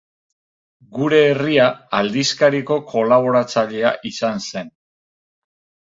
Gure Herria aldizkariko kolaboratzailea izan zen.